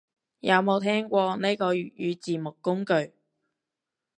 有冇聽過呢個粵語字幕工具